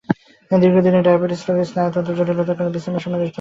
দীর্ঘদিনের ডায়াবেটিক রোগীর স্নায়ুগত জটিলতার কারণে বিশ্রামের সময়ও হৃদ্স্পন্দন কমে না।